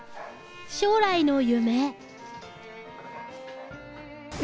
将来の夢。